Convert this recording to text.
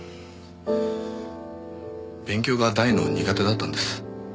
勉強が大の苦手だったんです。